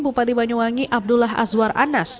bupati banyuwangi abdullah azwar anas